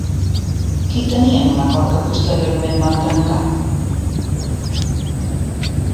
Qui tenien un acord que posteriorment van trencar?